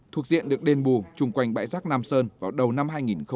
thuộc diện được đền bù chung quanh bãi rác nam sơn vào đầu năm hai nghìn hai mươi